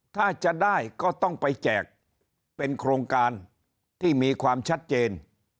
ถ้าจะได้ก็ต้องไปแจกเป็นโครงการที่มีความชัดเจน